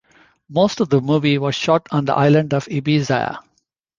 Most of the movie was shot on the island of Ibiza.